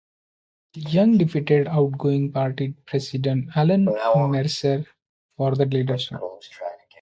Young defeated outgoing party president Alan Mercer for the leadership.